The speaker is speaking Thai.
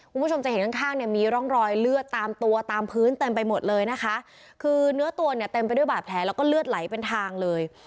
คุณผู้ชมจะเห็นข้างข้างเนี่ยมีร่องรอยเลือดตามตัวตามพื้นเต็มไปหมดเลยนะคะคือเนื้อตัวเนี่ยเต็มไปด้วยบาดแผลแล้วก็เลือดไหลเป็นทางเลย